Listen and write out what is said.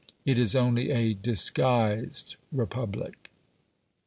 It is only a "disguised republic".